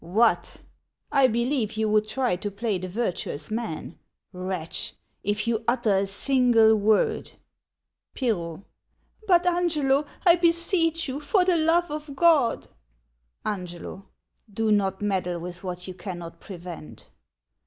What ! I believe you would try to play the virtuous man. Wretch ! If you utter a single word — Pirro. Hut, Angelo, 1 beseech you, for the love of God — sliiffr/o. Do not meddle with what you cannot prevent.